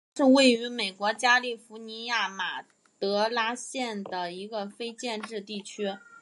雷蒙德是位于美国加利福尼亚州马德拉县的一个非建制地区。